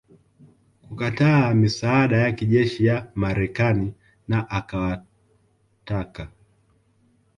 kukataa misaada ya kijeshi ya Marekani na akawataka